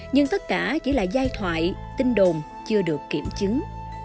nhưng tất cả chỉ là giai thoại tin đồn chưa được kiểm chứng